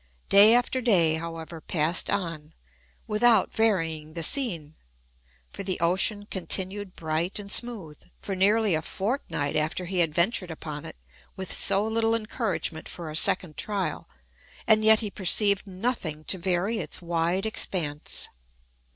Day after day, however, passed on, without varying the scene; for the ocean continued bright and smooth, for nearly a fortnight after he had ventured upon it (with so little encouragement for a second trial), and yet he perceived nothing to vary its wide expanse.